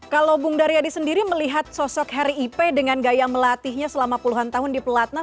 kalau bung daryadi sendiri melihat sosok harry ipe dengan gaya melatihnya selama puluhan tahun di pelatna